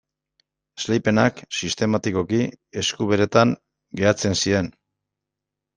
Esleipenak sistematikoki esku beretan geratzen ziren.